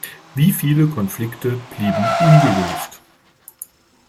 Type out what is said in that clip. Wie viele Konflikte blieben ungelöst!